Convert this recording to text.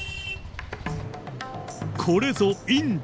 これぞインド。